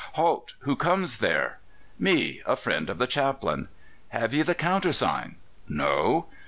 "Halt! Who comes there?" "Me a friend of the chaplain." "Have ye the countersign?" "No."